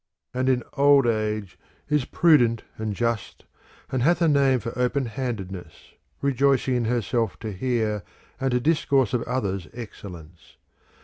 And in old age is prudent and just and hath a name for openhandedness, re joicing in herself to hear and to discourse of others' ex cellence.